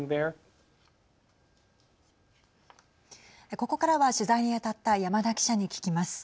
ここからは取材に当たった山田記者に聞きます。